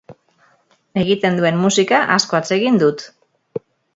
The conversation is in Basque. Egiten duen musika asko atsegin dut.